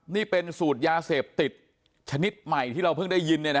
นี่เป็นสูตรยาเสพติดชนิดใหม่ที่เราเพิ่งได้ยิน